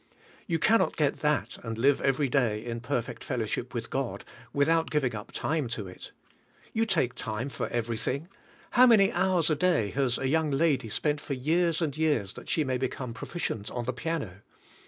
You can not get that and live every day in perfect fellowship with God, without giving up time to it. You take time for everything. How many hours a day has a young lady spent for years and 3^ears that she may become proficient on the piano?